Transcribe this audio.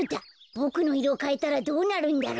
ボクのいろをかえたらどうなるんだろう。